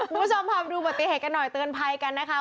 ผู้ชมไปบดูอุปติเหตุกันหน่อยเตือนไพรกันนะครับ